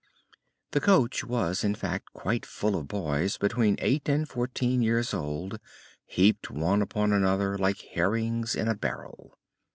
The coach was, in fact, quite full of boys between eight and fourteen years old, heaped one upon another like herrings in a barrel.